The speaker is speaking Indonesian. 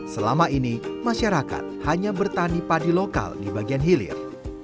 selama ini masyarakat hanya bertani padi lokal di bagian hilir